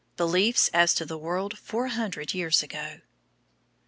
BELIEFS AS TO THE WORLD FOUR HUNDRED YEARS AGO.